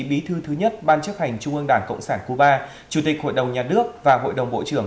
bí thư thứ nhất ban chấp hành trung ương đảng cộng sản cuba chủ tịch hội đồng nhà nước và hội đồng bộ trưởng